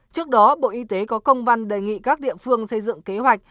trước đó bộ y tế có công văn đề nghị các địa phương xây dựng kế hoạch